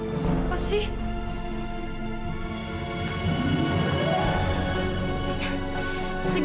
tidak ada apa apa